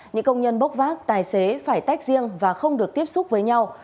những công nhân bốc vác tài xế phải tách riêng và không được tiếp xúc với nhau